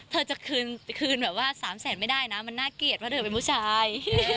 เธอจะคืนคืนแบบว่า๓แสนไม่ได้นะมันน่าเกลียดเพราะเธอเป็นผู้ชาย